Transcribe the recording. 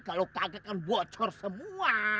kalau kaget kan bocor semua